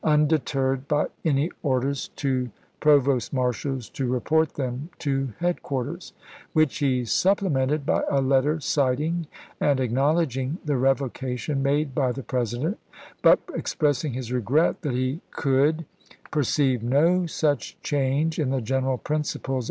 . undeterred by any orders to provost marshals to report them to headquarters "; which he supplemented by a letter citing and acknowledging the revocation made by the President, but expressing his regret that he could scharf, " pcrceive no such change in the general principles Maryland?"